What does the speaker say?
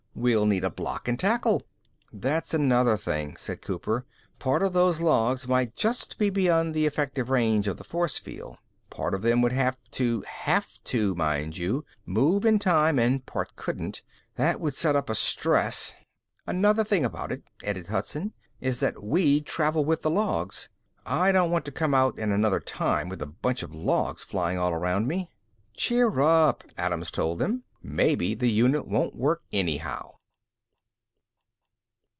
We'd need a block and tackle." "There's another thing," said Cooper. "Part of those logs might just be beyond the effective range of the force field. Part of them would have to have to, mind you move in time and part couldn't. That would set up a stress...." "Another thing about it," added Hudson, "is that we'd travel with the logs. I don't want to come out in another time with a bunch of logs flying all around me." "Cheer up," Adams told them. "Maybe the unit won't work, anyhow."